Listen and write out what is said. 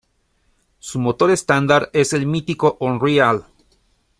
Su motor estándar es el mítico Unreal.